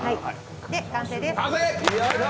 完成です。